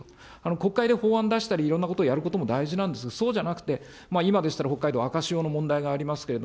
国会で法案出したり、いろんなことをやることも大事なんですが、そうじゃなくて、今でしたら北海道、赤潮の問題がありますけれど